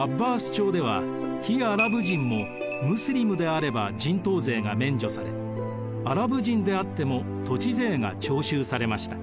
朝では非アラブ人もムスリムであれば人頭税が免除されアラブ人であっても土地税が徴収されました。